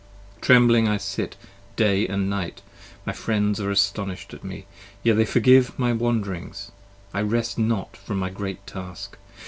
Trembling I sit day and night, my friends are astonish'd at me, Yet they forgive my wanderings, I rest not from my great task!